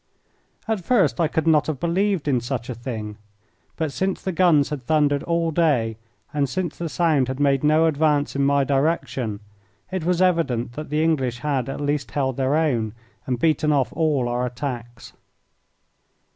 At first I could not have believed in such a thing, but since the guns had thundered all day, and since the sound had made no advance in my direction, it was evident that the English had at least held their own and beaten off all our attacks.